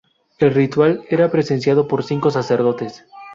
El ritual era presenciado por cinco sacerdotes.